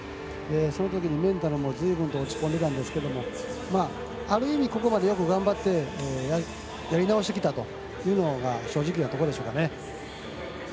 そのときに、ずいぶんと落ち込んでたんですけどある意味、ここまでよく頑張ってやり直してきたというのが正直なところでしょうね。